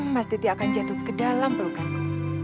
mas diti akan jatuh ke dalam pelukanku